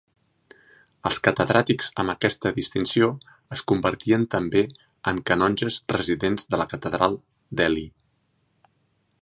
Els catedràtics amb aquesta distinció es convertien també en canonges residents de la catedral d'Ely.